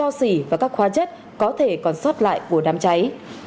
nước thải cho xỉ và các khoa chất có thể còn xót lại vùa đám cháy